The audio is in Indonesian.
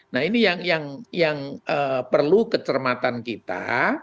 nah ini yang perlu kecermatan kita